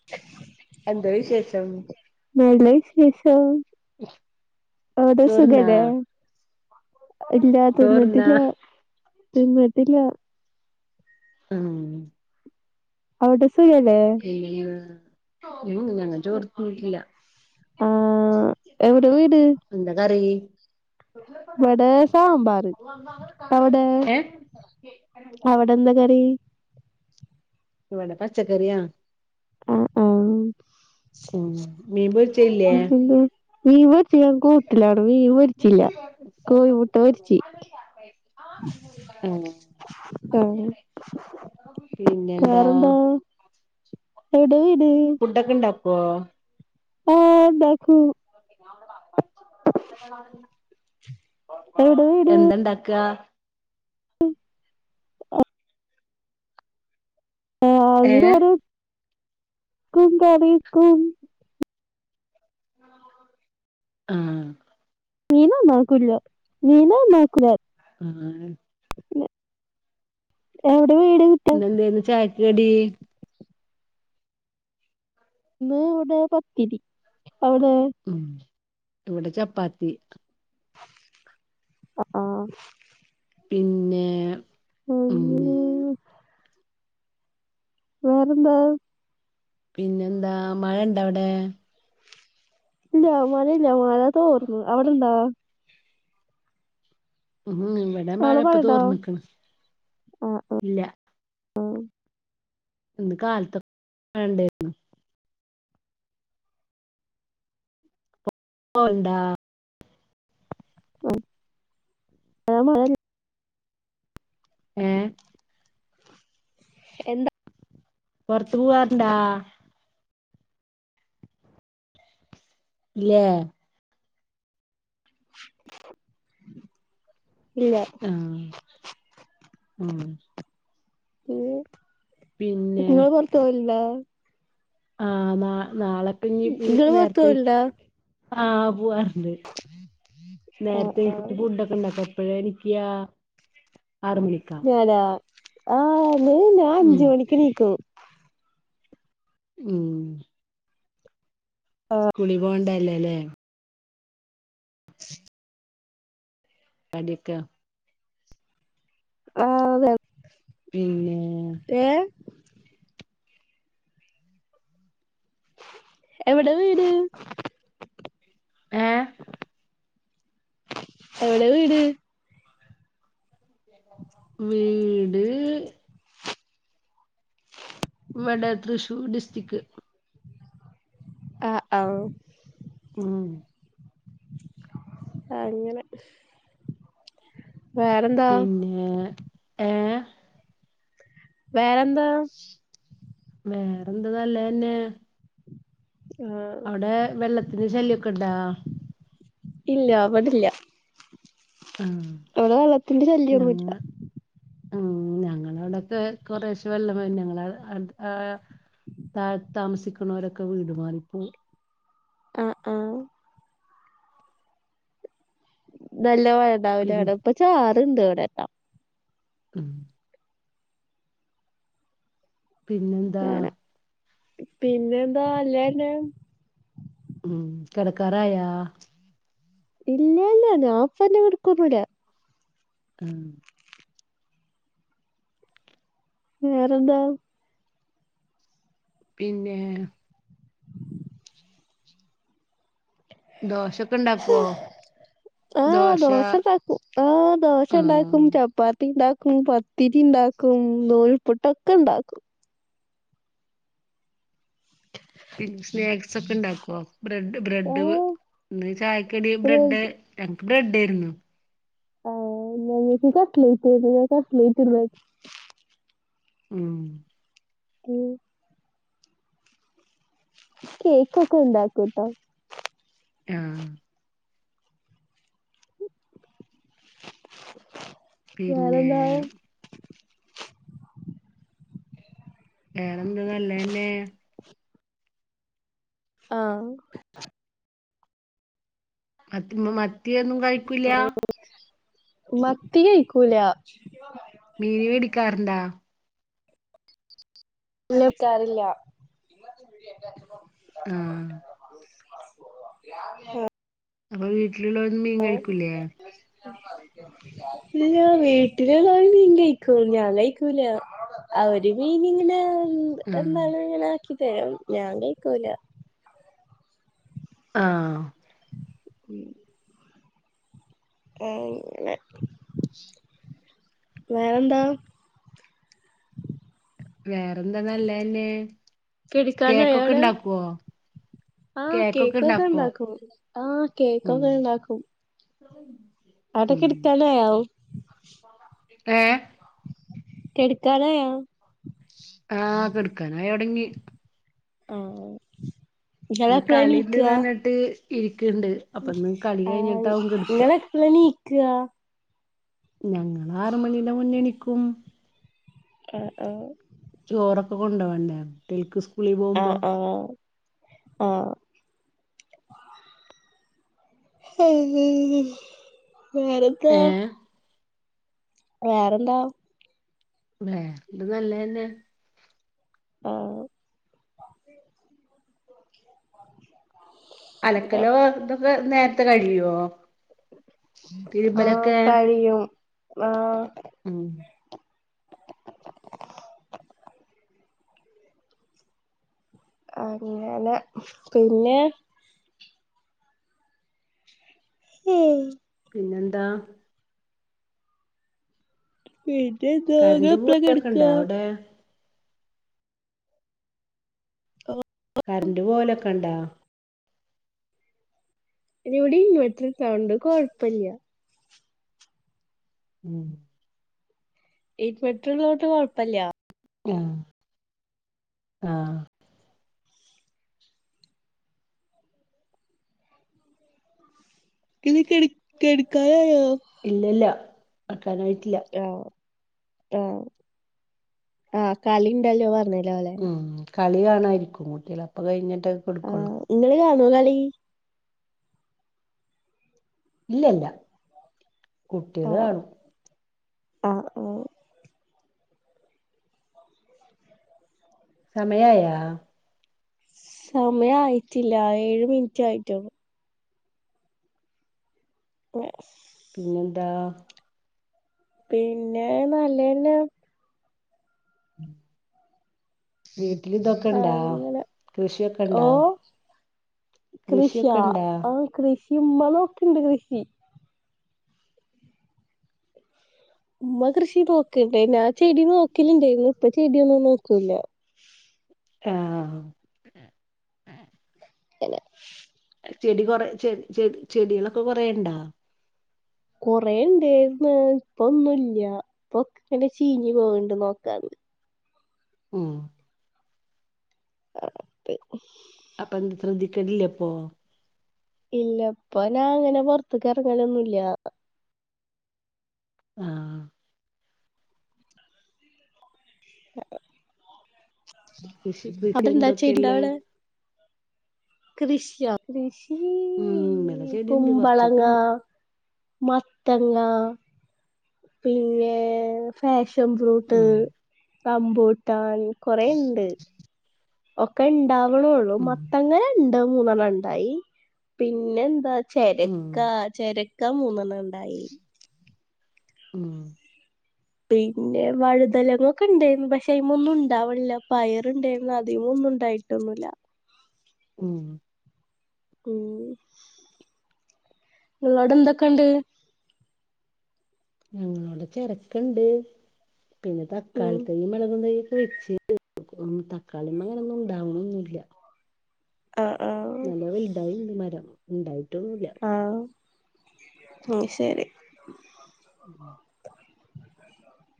[inaudible] എന്ത വിശേഷം? നല്ല വിശേഷം അവിടെ ചോർന്നാ സുഖല്ലേ- ഇല്ലാ ചോർന്നാ തിന്നിട്ടില്ല തിന്നിട്ടില്ല. ഉം.. അവിടെ? ശരി അല്ലേ. പിന്നെന്തുവാ ഇല്ല ഞങ്ങ ചോറ് തിന്നിട്ടില്ല ആഹ് എവിടെ വീട് എന്താ കറി? ഇവിടെ സാമ്പാറ് അവിടെ ഏഹ് അവിടെ എന്താ കറി? ഇവിടെ പച്ചക്കറിയാ. ആഹ് ആഹ് ഉം മീൻ പൊരിച്ചത് ഇല്ലേ? പിന്നെന്താ മീൻ പൊരിച്ചാ ഞാൻ കൂട്ടിലാടോ മീൻ പൊരിച്ചില്ല കോഴിമുട്ട പൊരിച്ച്. ഉം ആഹ് പിന്നെ എന്താ? എവിടെയാ വീട്? ഫുഡ് ഒക്കെ ഉണ്ടാക്കുവോ? ഓ ഉണ്ടാക്കും. എവിടെ വീട് എന്തണ്ടാക്ക ഏ ആന്റൊര് കും തളീക്കും ആഹ് മീൻ നന്നാക്കൂല്ല മീനന്നാക്കുല ആണ് പിന്നെ എവിടെ വീട് കിട്ടാ ഇന്ന് എന്തേനു ചായക്ക് കടി? ഇന്ന് ഇവിടെ പത്തിരി അവിടെയോ ഉം ഇവിടെ ചപ്പാത്തി അഹ് ആഹ് പിന്നേ പോയിനൊ വേറെന്താ പിന്നെന്താ മഴണ്ട അവടെ ഇല്ല മഴ ഇല്ല മഴ തോർന്നു അവിടെണ്ടോ ഉ ഹു ഇവടെ അവിടെ മഴപ്പൊ മഴണ്ടോ തോർന്നിക്ണ് ആഹ് ഇല്ല. ഇന്ന് കാലത്തൊക്കെ മഴഇണ്ടാര്ന്നു. ഇപ്പൊണ്ടാ ഏഹ് മഴേണ് ഏഹ് എന്താ പൊർത്ത് പൂവാർണ്ടാ ഇല്ലേ ഇല്ല ആഹ് ഉം പിന്നെ ഇങ്ങൾ പൊർത്ത് പോവല്ണ്ടോ ആഹ് ന്നാ ന്നാളെപ്പെഞ്ഞി ഇഞ് നിങ്ങള് പുറത്ത് നേർത്തെ പോവലുണ്ടോ ആഹ് പൂവാർണ്ട് ആഹ് നേരത്തെ ആഹ് കുട്ടിക്ക് ഫുഡ്‌ക്കെണ്ടാക്ക എപ്പഴണീക്കാ ആറ് മണിക്ക ഞാനോ ആണ് ഞാൻ ഉം അഞ്ച് മണിക്ക് ണീക്കും. ഉം സ്കൂളിൽ പോണ്ടല്ലലേ [inaudible] പണിക്ക ആതെ പിന്നെ ഏഹ് എവിടെ വീട് ഏഹ് എവിടെ വീട് വീട് ഇവിടെ തൃശൂർ ഡിസ്ട്രിക്. അഹ് ഔ ഉം ആഹ് ഇങ്ങനെ പിന്നെ ഏഹ് വേറെന്താ? വേറെന്ത ന്നല്ലെന്നെ. ആഹ് ഔടെ വെള്ളത്തിന് ശല്യക്കെണ്ടാ? ഇല്ല ഇവടല്ല്യ ആഹ് ഇവടെ വെള്ളത്തിന്റെ ഞങ്ങ ശല്യന്നുല്ല. ഉം ഞങ്ങള വടക്കെ കൊറേശെ വെള്ളം വെര്ന് ഞങ്ങള അഹ് ആഹ് തായ്ത്ത് താമസിക്കുന്നവരൊക്കെ വീട് മാറിപോവും. അഹ് അഹ് ന്നല്ലെ മഴണ്ടാവില്ലവടെ പിന്നെ ഇപ്പ ചാർണ്ട് ഇവടെക്കാ. ഉം പിന്നെന്താ? പിന്നെ എന്താ അല്ലെന്നെ. ഉം കെടക്കാറായോ? ഇല്ല ഇല്ല ഞാൻപ്പന്നെ കെട്ക്കൊന്നുല്ല. ആഹ് വേറെന്താ? പിന്നെ? ദോശക്കെ ഇണ്ടാക്കോ? ആഹ് ദോശണ്ടാക്കും ആഹ് ദോശ ആഹ് ഇണ്ടാക്കും ചപ്പാത്തി ഇണ്ടാക്കും പ ത്തിരി ണ്ടാക്കും നൂൽപ്പുട്ടൊക്കെ ഇണ്ടാക്കും. പിന്നെ സ്നാക്സ് ഒക്കെ ഇണ്ടാക്കോ ബ്രെഡ് ബ്രെഡ് ആഹ് ചായക്കടി ബ്രെഡ്? ഞങ്ങക്ക് ബ്രഡയിര്ന്നു. ഓഹ് ഞങ്ങക്ക് കട്ലൈറ്റ്ര്ന്നു ഞാൻ കട്ലൈറ്റ് ന്ന്. ഉം ഉം കേക്കക്കൊണ്ടാക്കുട്ടോ. ആഹ് പിന്നെ? വേറെന്താ വേറെന്താ നല്ലന്നെ? ആഹ് മത്തി മ്പൊ മത്തിയൊന്നും കഴിക്കൂല്ല? മത്തി ക്കൂല മീന് വേടിക്കാറുണ്ടാ? ല്ല ക്കാറില്ല ആഹ് ആഹ് അപ്പ വീട്ടിലുള്ളോരൊന്നും മീൻ കഴിക്കൂല്ലേ? ഇല്ല വീട്ടിലല്ലാരും മീൻ കഴിക്കും ഞാൻ കഴിക്കൂല. അവര് മീനിങ്ങനെ ആഹ് എന്നാലും ഇങ്ങനെ ആക്കിതരും ഞാൻ കയ്ക്കൂല. ആഹ് ഉം ഏഹ് ങ്ങനെ വേറെന്താ? വേറെന്താ നല്ലതന്നെ. കിടക്കാനായോ അവിടെ കേക്കൊക്കണ്ടാക്കോ? ആഹ് കേക്കൊക്കെ ഇണ്ടാക്കും ആഹ് ഉം കേക്കൊക്കെ ഇണ്ടാക്കും. [unintelligible] അടെ കെട്ത്താനാവും. ഏഹ് കെട്ക്കാനായോ? ആഹ് കെടക്കാനായൊടങ്ങി. ആഹ് ഇന്ന് ഇങ്ങളെപ്പളാ കളി ഇണ്ട്ന്ന് എണീക്കാ പർഞ്ഞിട്ട് ഇരിക്ക്ണ്ട് അപ്പന്ന് കളി കഴിഞ്ഞിട്ടാവും കെട്ക്കാ. പ്ളാ നീക്കാ? ഞങ്ങളാറ് മണീന്റെ മുന്നെണീക്കും. ആഹ് ആഹ് ചോറൊക്കെ കൊണ്ടോവണ്ടേ കുട്ട്യേൾക്ക് ഇസ്കൂളി പോവുമ്പോ? ആഹ് ആഹ് വേറെന്താ ഏഹ് വേറെന്താ ല്ലെ ഇത് നല്ലതന്നെ. ആഹ് അലക്കലോ ഇതൊക്കെ നേരത്തെ കഴിയോ തിരുമ്പലൊക്കെ. കെയ്യും. ആഹ് ഉം അങ്ങനെ പിന്നെ ഹം പിന്നെന്താ പിന്നെന്താ ഇങ്ങൾ കറന്റ് എപ്പളാ പോവലൊക്കെ ഇണ്ടാ കെട്ക്കാ? അവിടെ ഓ കറണ്ട് പോവലൊക്കെണ്ടോ? അയ്നിവിടിൻവെർട്ടർ അതോണ്ട് കൊഴപ്പല്ല്യ. ഉം ഇൻവെർട്ടർ ഇള്ളോണ്ട് കൊഴപ്പല്ല്യ. ആഹ് ആഹ് ക്ന്ന് കെട് കെട്ക്കാനായോ? ഇല്ലല്ല ആക്കാനായിട്ടില്ല. ആഹ് ആഹ് ആഹ് കളിണ്ടല്ലോ പർഞ്ഞലോ ല്ലെ. ഉം കളി കാണാ ഇരിക്കും കുട്ട്യേള്. അപ്പം കഴിഞ്ഞിട്ടൊക്കെ ആ കെട്ക്കൊള്ളൂ. ഇങ്ങള് കാണോ കളി? ഇല്ലല്ല കുട്ട്യേൾ കാണും. ആഹ് സമയായാ? സമയായിറ്റില്ല ഏഴ് മിനിറ്റ് ആയിറ്റൊള്ളു. നെ സ് പിന്നെ എന്താ പിന്നെ നല്ലന്നെ ഉം വീട്ടില് ഇതൊക്കെ ഇണ്ടാ അങ്ങനെ കൃഷിയൊക്കെ ഇണ്ടാ ഓ കൃഷിയാ കൃഷിയൊക്കെ ഇണ്ടാ ആ കൃഷി മൊളവൊക്കെണ്ട് കൃഷി ഉമ്മ കൃഷി നോക്കുംണ്ട് ഞാൻ ചെടി നോക്കലുണ്ടായിരുന്നു ഇപ്പ ചെടിയൊന്നും നോക്കൂല്ല ആഹ് [inaudible] ചെടി കൊറെ ചെ ചെ ചെടികളൊക്കെ കൊറേണ്ടാ കൊറെേ ഇണ്ടായിരുന്ന് ഇപ്പൊന്നുല്ല്യ ഇപ്പൊ ഇങ്ങന ചീഞ്ഞ് പോകണ്ട് നോക്കാഞ് ആഹ് അതെ അപ്പോൾ എന്താ ശ്രദ്ധിക്കലില്ലെ അപ്പോ ഇല്ല ഇപ്പ ഞാ അങ്ങനെ പുൊറത്തക്ക് ഇറങ്ങലൊന്നുല്ല്യ ആഹ് [inaudible] കൃഷി കൃഷി അതെന്താ എന്തൊക്കെയ ഉള്ള കൃഷിയൊ കൃഷി ഉം ഇമ്മടെ ചെടിണ്ട് കൊറച്ചൊക്കെ കുമ്പളങ്ങ ഇണ്ട് മത്തങ്ങ പിന്നെ ഫാഷൻ ഫ്രൂട്ട് ഉം റമ്പൂട്ടാൻ കൊറേ ഉണ്ട് ഒക്കെ ഇണ്ടാവണള്ളൂ ഉം മത്തങ്ങ ര രണ്ടോ മൂന്നൊ ന്നണ്ണം ണ്ടായി പിന്നെ എന്താ ഉം ചെരക്കാ ചെരക്ക മൂന്നെണ്ണം ഉണ്ടായി ഉം പിന്നെ വഴുതലങ്ങൊക്കെ ഉണ്ടായിരുന്നു പക്ഷെ അതിലൊന്നും ഉണ്ടാവണില്ല പയറുണ്ടായിരുന്നു അധികമൊന്നുണ്ടായി ട്ടുമില്ല മ് ഉം നിങ്ങളവിടെ എന്തൊക്കെയണ്ട് ഞങ്ങളോടെ ചെരക്കുണ്ട് പിന്നെ ഉം തക്കാളി തയ്യും മളകും തയ്യും ഒക്കെ വെച്ച് തക്കാളി മെ അങ്ങനെയൊന്നും ഉണ്ടാവണംന്നുല്ല ആഹ് ആഹ് നല്ല വലുതായിണ്ട് മരം. ഉണ്ടായിട്ടൊന്നുല്ല. ആഹ് ആഹ് ശരി. ഉം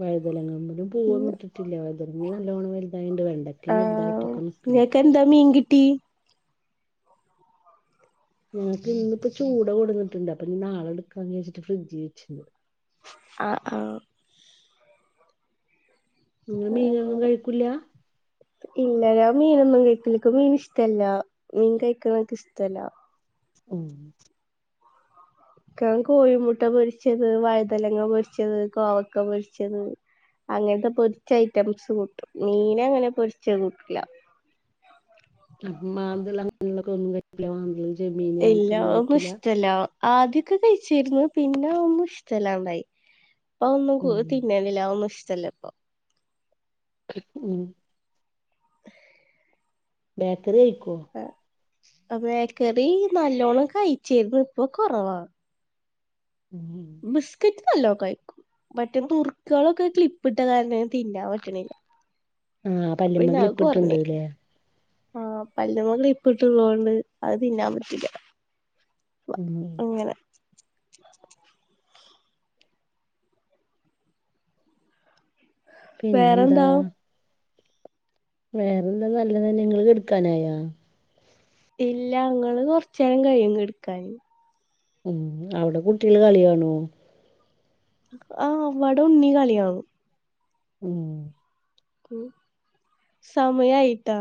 വഴുതലങ്ങമ്പഴും പൂവൊന്നും ഇട്ടിട്ടില്ല വഴുതനങ്ങ നല്ലോണം വലുതായണ്ട്. വെണ്ട- ക്ക ആഹ് വലുതായിട്ട്ക്ക നിക്കണ്. നിങ്ങക്ക് എന്താ മീൻകിട്ടി ഞങ്ങൾക്ക് ഇന്നിപ്പ ചൂട കൊടുന്നട്ടണ്ട്. പ്പൊ ഇനി നാളെ എടുക്കാന്ന് വെച്ചിട്ട ഫ്രഡ്ജി വെച്ചിണ്ട് ആഹ് ആഹ് നിങ്ങ മീനൊന്നും അങ്ങനെ കഴിക്കൂല്ല. ഇല്ല ഞാൻ മീനൊന്നും കഴിക്കല്ല എനിക്ക് മീൻ ഇഷ്ടമല്ല. മീൻ കഴിക്കണ എനിക്ക് ഇഷ്ടമല്ല. ഉം. ഞാൻ കോഴിമുട്ട പൊരിച്ചത് വഴതലങ്ങ പൊരിച്ചത് കോവക്ക പൊരിച്ചത്. അങ്ങനത്തെ പൊരിച്ച് ഐറ്റംസ് കൂട്ടും. മീന അങ്ങനെ പൊരിച്ച് കൂട്ടില്ല മാന്തള് അങ്ങനൊള്ളെക്കെ ഒന്നും കഴിക്കുല മാന്തള് ചെമ്മീന് ഇല്ല അങ്ങനത്തൊന്നും അതൊന്നും കഴിക്കൂല ഇഷ്ടല്ല. ആദ്യൊക്കെ കഴിച്ചിരുന്നു പിന്നെ ഒന്നും ഇഷ്ടല്ലാണ്ടായി അപ്പ ഒന്നും ഉം തിന്ന ഇല്ല ഒന്നും ഇഷ്ടല്ല ഇപ്പൊ ഉം ബേക്കറി കഴിക്കോ ബേക്കറി നല്ലോണ്ണം കഴിച്ചിരുന്നു ഇപ്പൊ കുറവാ. ഉം ബിസ്കറ്റ് നല്ലോ കഴിക്കും. മറ്റേ നുർക്ക്കളൊക്കെ ക്ലിപ്പിട്ട കാരണേ തിന്നാൻ പറ്റണില്ല. ആഹ് പല്ല്മ്മേ ക്ലിപ്പ് ഇപ്പിട്ടുണ്ട്ല്ലേ. ആഹ് പല്ല്മ്മേ ക്ലിപ്പ് ഇട്ട്ള്ളോണ്ട് അത് തിന്നാൻ പറ്റില്ല. ഉം അങ്ങനെ പിന്നെന്താ. വേറെന്താ വേറെന്താ നല്ലതന്നെ നിങ്ങള് കെടുക്കാനായോ. ഇല്ല അങ്ങള് കൊറച്ചേരം കഴിയും കെടുക്കാന്. ഉം അവിടെ കുട്ടികള് കളിയാണോ. ആഹ് വടെ ഉണ്ണി കളി കാണും. ഉം സമയായിട്ടാ.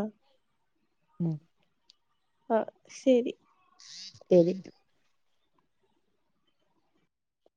ഉം ആഹ് ശരി. ശരി.